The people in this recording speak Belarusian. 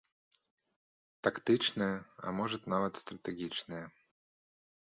Тактычныя, а можа нават стратэгічныя.